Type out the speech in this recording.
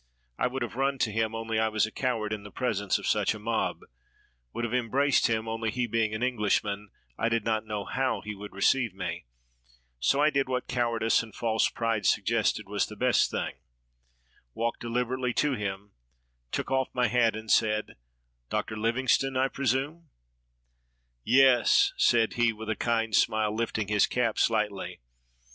I would have run to him, only I was a coward in the presence of such a mob — would have embraced him, only he being an Englishman, I did not know how he would receive me; so I did what cowardice and false pride suggested was the best thing — walked deUberately to him, took oH my hat, and said: — "Dr. Livingstone, I presume?" "Yes," said he, with a kind smile, Ufting his cap slightly.